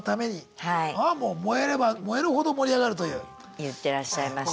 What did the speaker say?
言ってらっしゃいました。